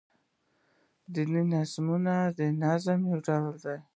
دیني نظمونه دنظم يو ډول دﺉ.